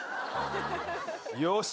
よし！